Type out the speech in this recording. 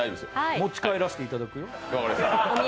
持ち帰らせていただくよ。